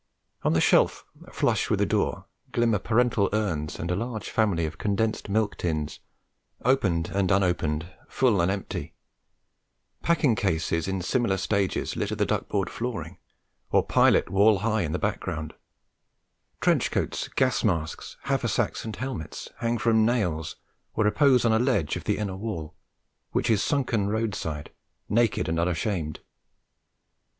On the shelf flush with the door glimmer parental urns with a large family of condensed milk tins, opened and unopened, full and empty; packing cases in similar stages litter the duck board flooring, or pile it wall high in the background; trench coats, gas masks, haversacks and helmets hang from nails or repose on a ledge of the inner wall, which is sunken roadside naked and unashamed.